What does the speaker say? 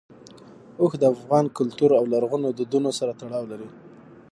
اوښ د افغان کلتور او لرغونو دودونو سره تړاو لري.